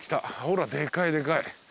ほらでかいでかい。